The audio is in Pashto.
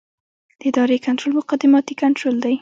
د ادارې کنټرول مقدماتي کنټرول دی.